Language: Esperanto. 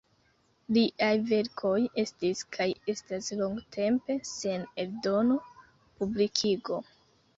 Liaj verkoj estis kaj estas longtempe sen eldono, publikigo.